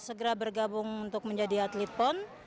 segera bergabung untuk menjadi atlet pon